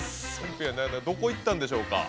どこ行ったんでしょうか。